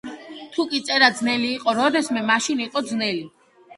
თუკი წერა ძნელი იყო როდისმე, მაშინ იყო ძნელი.